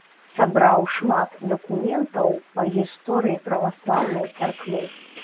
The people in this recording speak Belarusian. Сабраў шмат дакументаў па гісторыі праваслаўнай царквы.